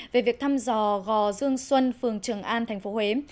về việc thăm dò gò dương xuân phường trường an thành phố huế